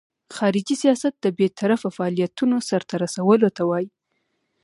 خارجي سیاست د بیطرفه فعالیتونو سرته رسولو ته وایي.